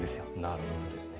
なるほどですね。